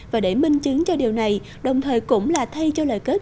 và để minh chứng cho điều này đồng thời cũng là thay cho lời kết